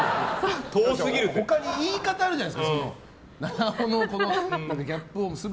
他に言い方あるじゃないですか。